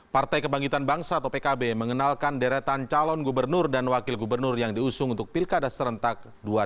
partai kebangkitan bangsa atau pkb mengenalkan deretan calon gubernur dan wakil gubernur yang diusung untuk pilkada serentak dua ribu delapan belas